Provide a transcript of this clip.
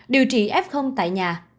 điều trị f tại nhà